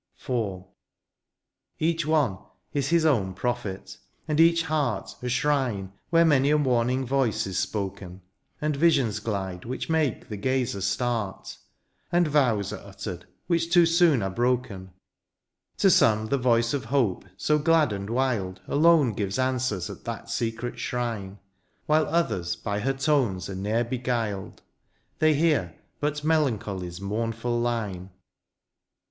♦ The Temple of Jupiter Ammon. THE FUTURE. 133 IV. Each one is his own prophet, and each heart A shrine where many a warning voice is spoken, And visions gUde which make the gazer start ; And vows are uttered which too soon are broken. To some, the voice of hope, so glad and wild. Alone gives answers at that secret shrine ; While others by her tones are ne'er beguiled, They hear but melancholy's mournful line.